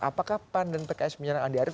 apakah pan dan pks menyerang andi arief